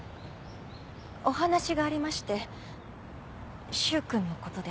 お話がありまして柊君のことで。